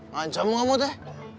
ngancam kamu teh